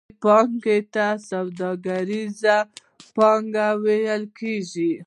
دې پانګې ته سوداګریزه پانګه ویل کېږي